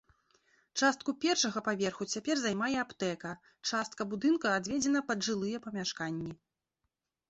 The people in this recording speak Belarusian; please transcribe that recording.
Частку першага паверху цяпер займае аптэка, частка будынка адведзена пад жылыя памяшканні.